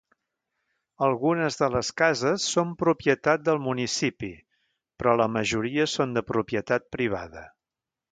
Algunes de les cases són propietat del municipi, però la majoria són de propietat privada.